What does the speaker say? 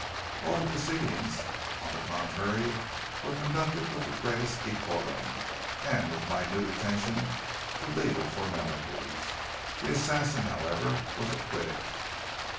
All the proceedings, on the contrary, were conducted with the greatest decorum, and with minute attention to legal formalities. The assassin, however, was acquitted.